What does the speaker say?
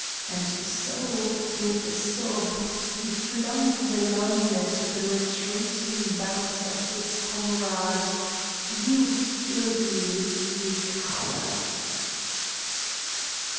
And so, with a sob, he flung the line at the retreating backs of his comrades: "You've killed me, you cowards!"